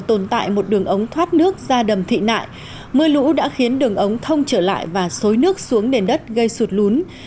tồn tại một đường ống thoát nước ra đầm thị nại mưa lũ đã khiến đường ống thông trở lại và xối nước xuống nền đất gây sụt lún